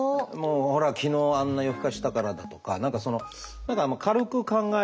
「ほら昨日あんな夜更かししたから」とか何かその軽く考えられて。